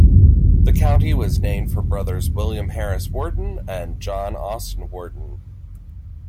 The county was named for brothers William Harris Wharton and John Austin Wharton.